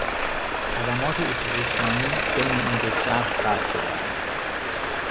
خدمات اتوبوسرانی بین این دو شهر قطع شده است.